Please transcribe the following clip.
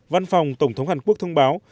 văn phòng tổng thống hàn quốc thông báo